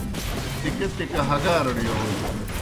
تِکہ تِکہ ہگارڑ یون